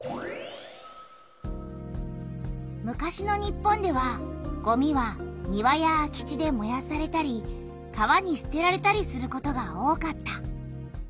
昔の日本ではごみは庭や空き地でもやされたり川にすてられたりすることが多かった。